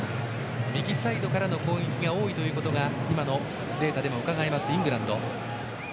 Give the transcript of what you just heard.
右サイドからの攻撃が多いことが今のデータでもうかがえますイングランド。